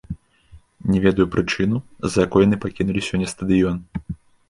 Не ведаю прычыну, з-за якой яны пакінулі сёння стадыён.